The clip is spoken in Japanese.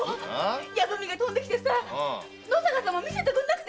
矢文が飛んできてさ野坂様見せてくれなくてでも鮫洲ケ